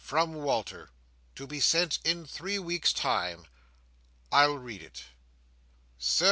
"From Walter. To be sent in three weeks' time. I'll read it." "'Sir.